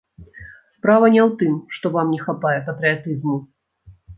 Справа не ў тым, што вам не хапае патрыятызму.